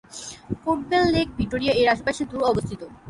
Port Bell Lake Victoria এর আশপাশে দূরে অবস্থিত।